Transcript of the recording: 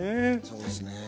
そうですね。